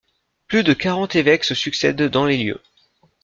Plus de quarante évêques se succèdent dans les lieux.